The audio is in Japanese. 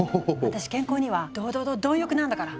私健康にはドドド貪欲なんだから。